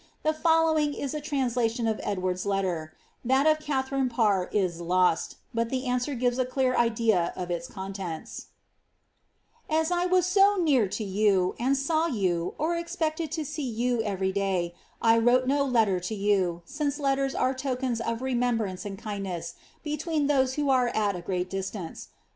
The following is a translation of Edward^s letter ; that of Katharine Parr is lost, but the answer gives a clear idea of its contents :As I was so near to you, and saw you, or expected to see you every day, I wrote no letter to you, since letters are tokens of reniembrance and kindness be tween those who are at a great distance.